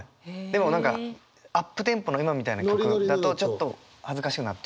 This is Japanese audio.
でも何かアップテンポの今みたいな曲だとちょっと恥ずかしくなっちゃうんですけど。